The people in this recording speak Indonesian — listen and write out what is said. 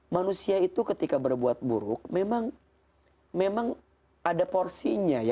manusia itu ketika berbuat buruk memang ada porsinya